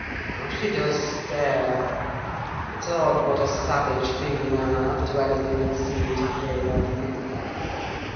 How she does stare! It's odd what a savage feeling I have to anything that seems afraid of me!